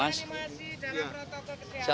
banyak animasi jangan protokol kesialan